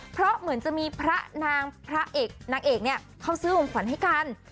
เพราะเหมือนจะมีพระนางพระเอกนางเอกเนี่ยเขาซื้อลมขวัญให้กัน